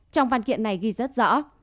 trong văn kiện này ghi rất rõ